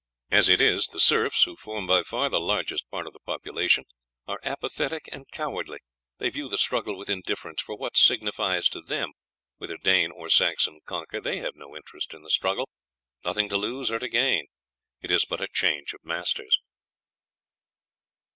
As it is, the serfs, who form by far the largest part of the population, are apathetic and cowardly; they view the struggle with indifference, for what signifies to them whether Dane or Saxon conquer; they have no interest in the struggle, nothing to lose or to gain, it is but a change of masters."